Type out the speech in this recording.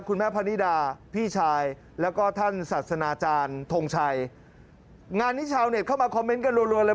พระนิดาพี่ชายแล้วก็ท่านศาสนาจารย์ทงชัยงานนี้ชาวเน็ตเข้ามาคอมเมนต์กันรัวเลย